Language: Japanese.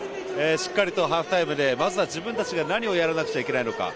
しっかりとハーフタイムでまずは自分たちが何をやらなくちゃいけないのか。